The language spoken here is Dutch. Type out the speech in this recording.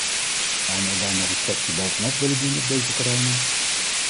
Waarom er dan nog een schepje bovenop willen doen op deze terreinen?